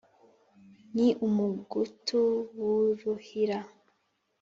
Ni umugutu w'uruhira